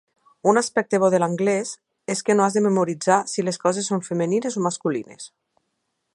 Un aspecte bo de l'anglès és que no has de memoritzar si les coses són femenines o masculines.